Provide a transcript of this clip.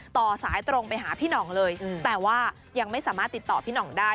ต่อสายตรงไปหาพี่หน่องเลยแต่ว่ายังไม่สามารถติดต่อพี่หน่องได้